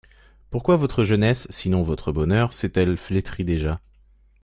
Pourquoi votre jeunesse, sinon votre bonheur, s'est-elle flétrie déjà?